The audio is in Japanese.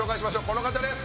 この方です。